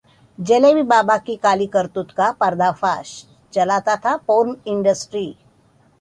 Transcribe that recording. जलेबी बाबा की काली करतूत का पर्दाफाश, चलाता था 'पोर्न इंडस्ट्री'